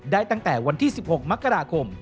ตั้งแต่วันที่๑๖มกราคม